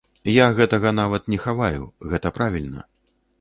Я гэтага нават не хаваю, гэта правільна.